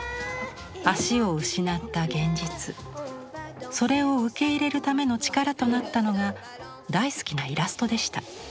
足を失った現実それを受け入れるための力となったのが大好きなイラストでした。